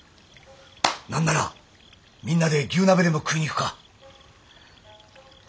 何ならみんなで牛鍋でも食いに行くか。